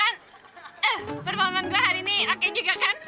eh pertama gue hari ini oke juga kan